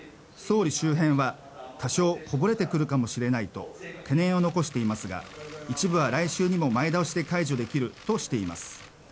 総理周辺は多少こぼれてくるかもしれないと懸念を残していますが一部は来週にも前倒しで解除できるとしています。